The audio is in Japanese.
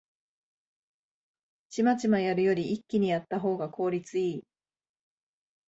チマチマやるより一気にやったほうが効率いい